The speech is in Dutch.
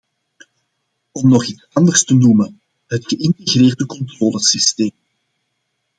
Om nog iets anders te noemen: het geïntegreerde controlesysteem.